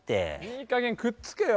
いいかげんくっつけよ。